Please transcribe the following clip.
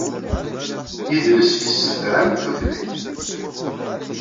Idles yessedram tutlayt.